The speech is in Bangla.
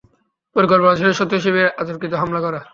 পরিকল্পনা ছিল, শত্রু শিবিরে অতর্কিতে হামলা করা।